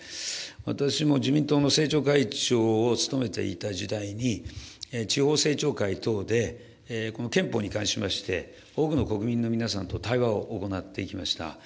私も自民党の政調会長を務めていた時代に、地方政調会等で、この憲法に関しまして、多くの国民の皆さんと対話を行ってきました。